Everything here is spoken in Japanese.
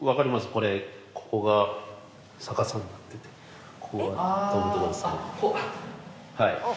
これここが逆さになっててここが・ああっあっ